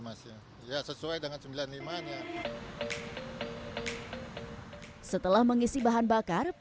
masih ya sesuai dengan sembilan puluh lima an ya setelah mengisi bahan bakar